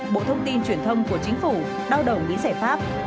bộ thông tin truyền thông của chính phủ đau đồng lý giải pháp